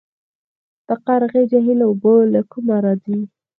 د قرغې جهیل اوبه له کومه راځي؟